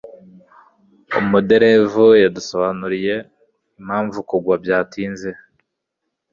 umuderevu yadusobanuriye impamvu kugwa byatinze